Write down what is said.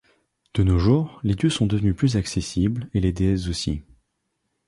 De nos jours, les dieux sont devenus plus accessibles, et les déesses aussi.